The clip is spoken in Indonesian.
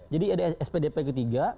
jadi ada spdp ketiga